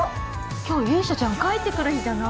今日勇者ちゃん帰ってくる日じゃない？